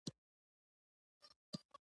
د یوه لا هم زړه نه راباندې سوزي